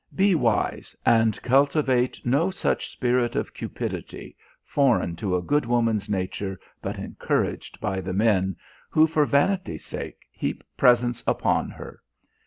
Be wise and cultivate no such spirit of cupidity, foreign to a good woman's nature but encouraged by the men, who, for vanity's sake, heap presents upon her.